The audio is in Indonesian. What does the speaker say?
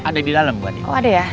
ada di dalam mbak oh ada ya